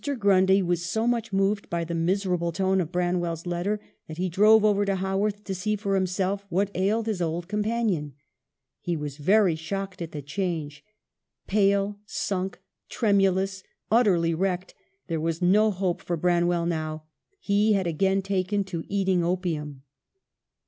Grundy was so much moved by the miserable tone of Branwell's letter that he drove over to Haworth to see for himself what ailed his old companion. He was very shocked at the change. Pale, sunk, tremulous, utterly wrecked; there was no hope for Bran well now ; he had again taken to eating opium.